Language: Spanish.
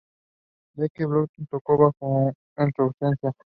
Jake Blanton tocó bajo en su ausencia.